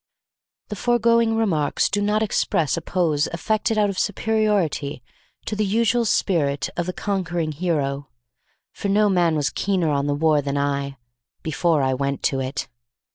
The foregoing remarks do not express a pose affected out of superiority to the usual spirit of the conquering hero, for no man was keener on the war than I, before I went to it.